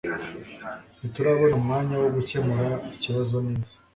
Ntiturabona umwanya wo gukemura ikibazo neza